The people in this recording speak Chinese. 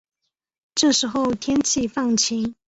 这时候天气放晴